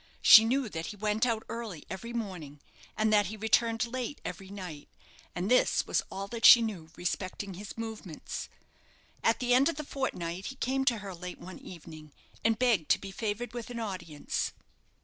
She knew that he went out early every morning, and that he returned late every night, and this was all that she knew respecting his movements. At the end of the fortnight, he came to her late one evening, and begged to be favoured with an audience.